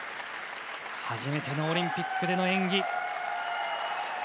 初めてのオリンピックでの演技。